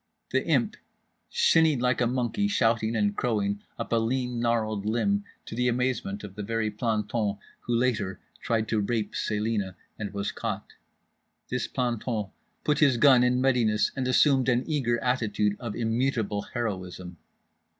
The Imp shinnied like a monkey, shouting and crowing, up a lean gnarled limb—to the amazement of the very planton who later tried to rape Celina and was caught. This planton put his gun in readiness and assumed an eager attitude of immutable heroism.